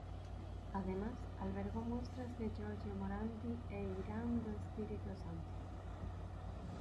Además, albergó muestras de Giorgio Morandi e Irán do Espírito Santo.